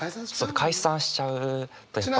解散しちゃうとやっぱ。